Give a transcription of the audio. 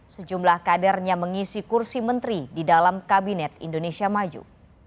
sejumlah kadernya mengisi kursi menteri di dalam kabinet indonesia maju